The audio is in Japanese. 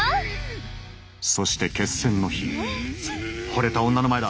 そして決戦の日ほれた女の前だ。